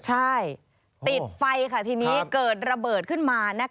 ใช่ติดไฟค่ะทีนี้เกิดระเบิดขึ้นมา